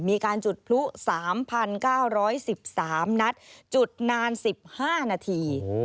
มีการจุดพลุ๓๙๑๓นัดจุดนาน๑๕นาที